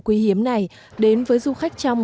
quy hiếm này đến với du khách trong